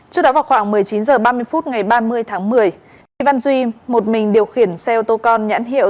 trước đó vào khoảng một mươi chín h ba mươi phút ngày ba mươi tháng một mươi lê văn duy một mình điều khiển xe ô tô con nhãn hiệu